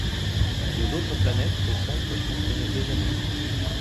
Sur d’autres planètes, ces sondes peuvent fonctionner des années.